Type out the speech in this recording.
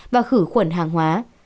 và khử khuẩn hàng hóa